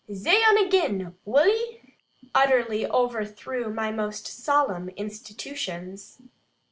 zay un again, wull 'e?" utterly overthrew my most solemn institutions.